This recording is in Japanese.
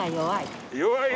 弱い？